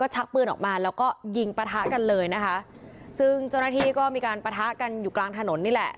ชักปืนออกมาแล้วก็ยิงปะทะกันเลยนะคะซึ่งเจ้าหน้าที่ก็มีการปะทะกันอยู่กลางถนนนี่แหละ